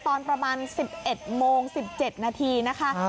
ตอนประมาณ๑๑โมง๑๗นาทีนะคะ